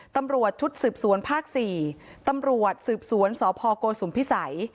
ตำรวจชุดสืบสวนภาค๔ตำรวจสืบสวนสพโกสุมพิสัย